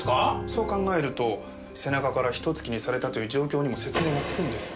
そう考えると背中から一突きにされたという状況にも説明がつくんです。